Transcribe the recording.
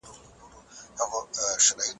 بزګران زده کوي چې څنګه ښه حاصل واخلي.